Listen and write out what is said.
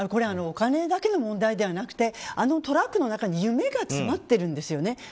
お金だけの問題じゃなくてあのトラックの中に夢が詰まってるんですよね。